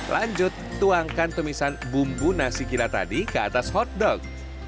lanjut tuangkan tumisan bumbu nasi gila tadi ke atas hotdog